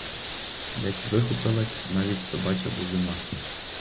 Десь вихопилась навіть собача бузина.